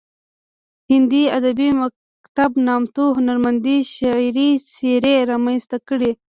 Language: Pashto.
هندي ادبي مکتب نامتو هنرمندې شعري څیرې رامنځته کړې